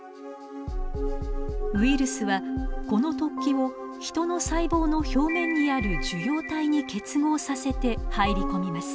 ウイルスはこの突起をヒトの細胞の表面にある受容体に結合させて入り込みます。